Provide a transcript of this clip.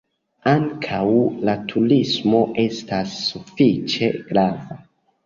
Ankaŭ la turismo estas sufiĉe grava.